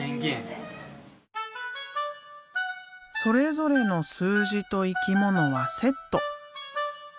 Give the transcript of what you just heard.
それぞれの数字と生き物はセット。